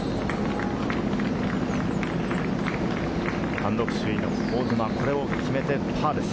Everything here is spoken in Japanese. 単独首位の香妻、これを決めてパーです。